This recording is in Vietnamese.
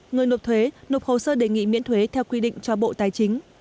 người nộp thuế nộp hồ sơ đề nghị miễn thuế theo quy định cho bộ tài chính